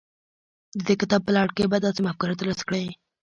د دې کتاب په لړ کې به داسې مفکوره ترلاسه کړئ.